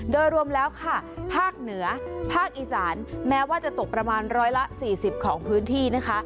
โดยรวมแล้วค่ะภาคเหนือภาคอีสานแม้ว่าจะตกประมาณ๑๔๐ของพื้นที่นะคะ